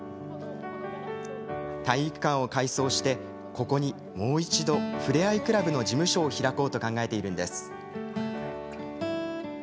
体育館を改装してここに、もう一度ふれあいクラブの事務所を開こうと考えているんです。